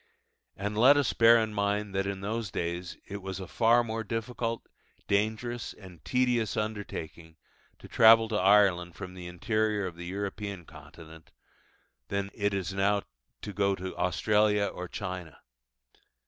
And let us bear in mind that in those days it was a far more difficult, dangerous, and tedious undertaking to travel to Ireland from the interior of the European Continent, than it is now to go to Australia or China.